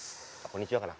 こんにちはかな？